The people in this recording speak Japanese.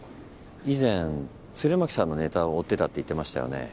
以前鶴巻さんのネタを追ってたって言ってましたよね